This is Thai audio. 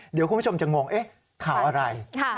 เดี๋ยวคุณผู้ชมจะงงข่าวอะไร